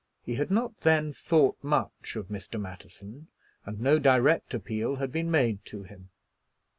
He had not then thought much of Mr. Matterson, and no direct appeal had been made to him.